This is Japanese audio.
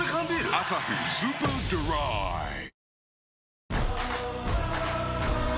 「アサヒスーパードライ」ス